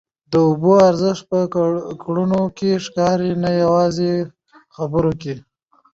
د اوبو ارزښت په کړنو کي ښکاري نه یوازي په خبرو کي.